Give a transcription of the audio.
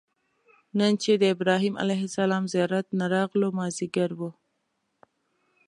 نن چې د ابراهیم علیه السلام زیارت نه راغلو مازیګر و.